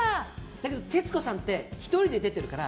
だけど徹子さんって１人で出てるから